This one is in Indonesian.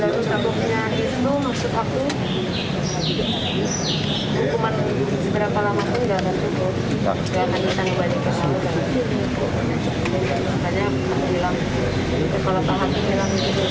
jangan lagi tanya tanya